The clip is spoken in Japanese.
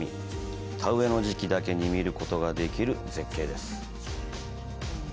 田植えの時期だけに見ることができる絶景です。